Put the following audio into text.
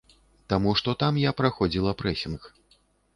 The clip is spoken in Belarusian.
Таму што там я праходзіла прэсінг.